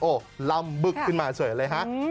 โอ้โหล่ำบึกขึ้นมาเฉยเลยฮะ